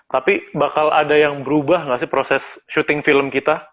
tapi bakal ada yang berubah nggak sih proses syuting film kita